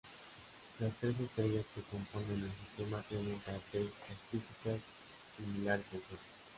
Las tres estrellas que componen el sistema tienen características físicas similares al Sol.